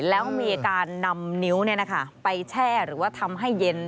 แล้วมีการนำนิ้วไปแช่หรือว่าทำให้เย็น